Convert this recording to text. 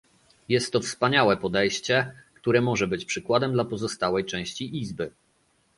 Jest to wspaniałe podejście, które może być przykładem dla pozostałej części Izby